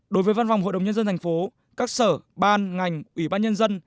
đối với văn phòng hội đồng nhân dân thành phố các sở ban ngành ủy ban nhân dân